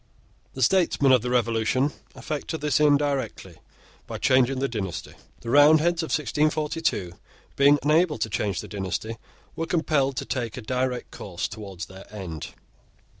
The statesmen of the Revolution effected this indirectly by changing the dynasty. The Roundheads of 1642, being unable to change the dynasty, were compelled to take a direct course towards their end.